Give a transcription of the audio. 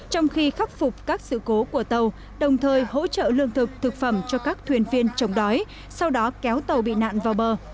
trong khi khắc phục các sự cố của tàu đồng thời hỗ trợ lương thực thực phẩm cho các thuyền viên chống đói sau đó kéo tàu bị nạn vào bờ